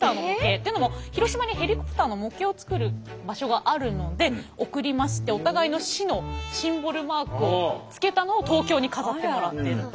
というのも広島にヘリコプターの模型を作る場所があるので贈りますってお互いの市のシンボルマークをつけたのを東京に飾ってもらっていると。